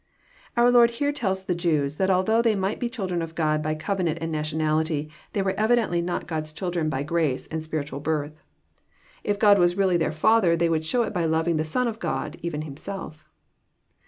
"] Onr Lord here tells the Jews, that although they might be children of Grod by covenant and nationality, they were evidently not 6od*s chil dren by grace and spiritual birth. If God was really their Father, they would show it by loving the Son of God, even Himself.